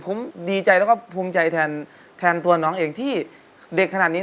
ดีใจแล้วก็ภูมิใจแทนตัวน้องเองที่เด็กขนาดนี้